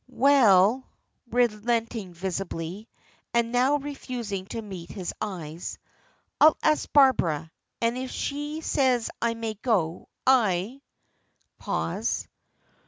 "Well," relenting visibly, and now refusing to meet his eyes, "I'll ask Barbara, and if she says I may go I " pause.